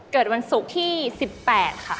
เกิดวันศุกร์ที่๑๘ค่ะ